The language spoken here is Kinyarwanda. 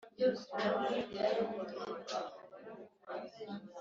imirimo bitewe n’ubushobozi numwanya